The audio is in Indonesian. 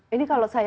ini kalau saya